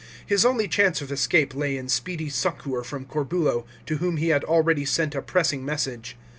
His only chance of escape lay in speedy succour from Corbulo, to whom he had already sent a piessing message.